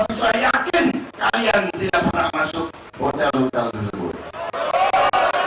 tapi saya yakin kalian tidak pernah masuk hotel hotel tersebut